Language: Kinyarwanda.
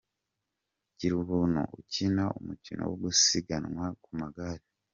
Girubuntu, ukina umukino wo gusiganwa ku magare.